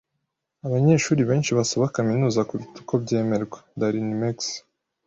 Abanyeshuri benshi basaba kaminuza kuruta uko byemerwa. (darinmex)